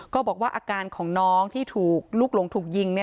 ก็บอกว่าอาการของน้องที่ถูกลูกหลงถูกยิง